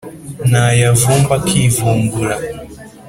nayavumba akivumbura